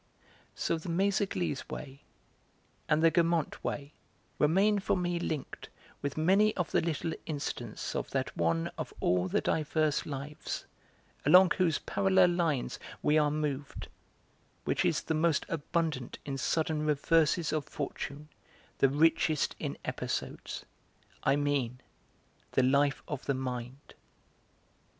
So the 'Méséglise way' and the 'Guermantes way' remain for me linked with many of the little incidents of that one of all the divers lives along whose parallel lines we are moved, which is the most abundant in sudden reverses of fortune, the richest in episodes; I mean the life of the mind.